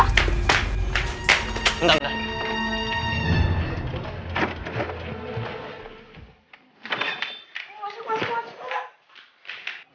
masuk masuk masuk